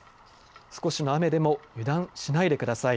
少しの雨でも油断しないでください。